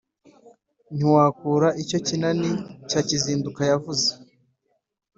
ntiwakura iryo kinani cya kizinduka yavuze,